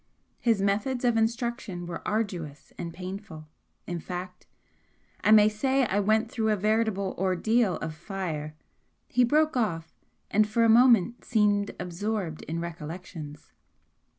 His methods of instruction were arduous and painful in fact, I may say I went through a veritable ordeal of fire " He broke off, and for a moment seemed absorbed in recollections.